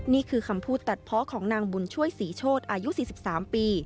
นี่คือคำพูดตัดเพาะของนางบุญช่วยศรีโชธอายุ๔๓ปี